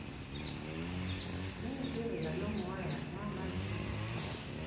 Si nze eyali omuwala eyanywa amazzi!